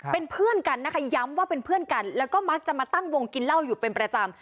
เป็นเพื่อนกันนะคะย้ำว่าเป็นเพื่อนกันแล้วก็มักจะมาตั้งวงกินเหล้าอยู่เป็นประจำ